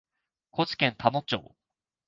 高知県田野町